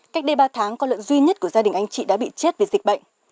cách đây ba tháng con lợn duy nhất của gia đình anh chị đã bị chết vì dịch bệnh